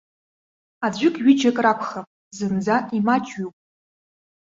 Аӡәык-ҩыџьак ракәхап, зынӡа имаҷҩуп.